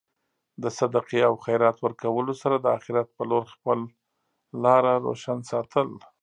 د صدقې او خیرات ورکولو سره د اخرت په لور خپل لاره روشن ساتل.